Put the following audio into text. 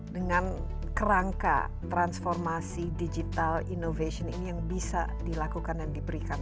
dengan kerangka transformasi digital innovation ini yang bisa dilakukan dan diberikan